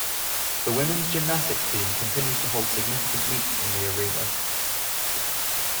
The women's gymnastics team continues to hold significant meets in the arena.